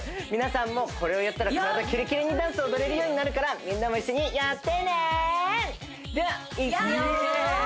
皆さんもこれをやったら体キレキレにダンスを踊れるようになるからみんなも一緒にやってねではいくよん